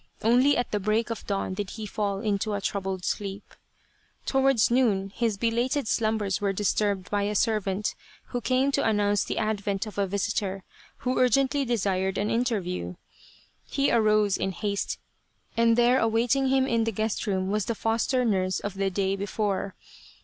Only at the break of dawn did he fall into a troubled sleep. Towards noon his belated slumbers were disturbed by a servant, who came to announce the advent of a visitor, who urgently desired an interview. He arose in haste, and there awaiting him in the guest room was the foster nurse of the day before.